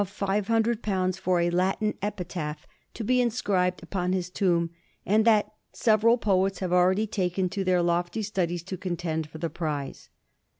mu five hundred pounds for a Latin epitaph to be in scribed upon his tomb, and that ' several poets have already taken to their lofty studies to contend for the prize.'